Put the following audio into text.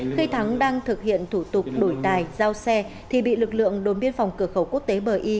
khi thắng đang thực hiện thủ tục đổi tài giao xe thì bị lực lượng đồn biên phòng cửa khẩu quốc tế bờ y